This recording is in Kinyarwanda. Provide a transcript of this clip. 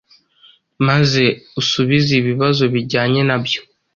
maze usubize ibibazo bijyanye na byo.